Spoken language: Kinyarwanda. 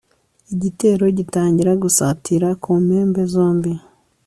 igitero gitangira gusatira ku mpembe zombi